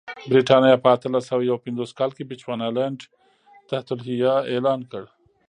برېټانیا په اتلس سوه یو پنځوس کال کې بچوانالنډ تحت الحیه اعلان کړ.